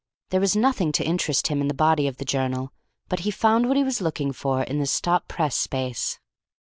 There was nothing to interest him in the body of the journal, but he found what he was looking for in the stop press space.